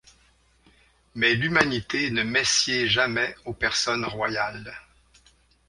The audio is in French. Mais l’humanité ne messied jamais aux personnes royales.